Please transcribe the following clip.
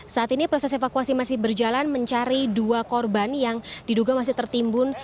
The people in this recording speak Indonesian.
saat ini proses evakuasi masih berjalan mencari dua korban yang diduga masih tertimbun